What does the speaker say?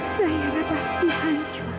zahira pasti hancur